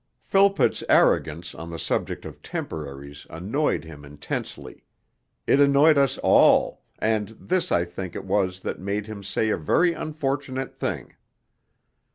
Philpott's arrogance on the subject of Temporaries annoyed him intensely; it annoyed us all, and this I think it was that made him say a very unfortunate thing.